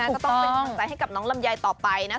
ก็ต้องเป็นกำลังใจให้กับน้องลำไยต่อไปนะ